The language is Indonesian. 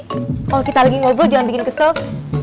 kalau kita lagi ngobrol jangan bikin kesel